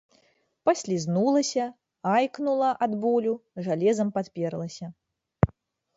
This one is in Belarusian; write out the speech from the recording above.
Паслізнулася, айкнула ад болю, жалезам падперлася.